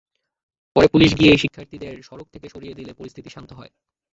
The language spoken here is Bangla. পরে পুলিশ গিয়ে শিক্ষার্থীদের সড়ক থেকে সরিয়ে দিলে পরিস্থিতি শান্ত হয়।